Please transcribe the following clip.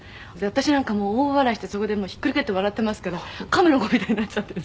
「私なんかもう大笑いしてそこでもうひっくり返って笑ってますから亀の子みたいになっちゃって」